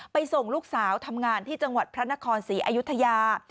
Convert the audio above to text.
ส่งลูกสาวทำงานที่จังหวัดพระนครศรีอยุธยา